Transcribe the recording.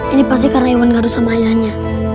ini pasti karena iwan harus sama ayahnya